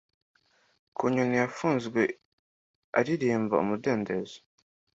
ku nyoni yafunzwe aririmba umudendezo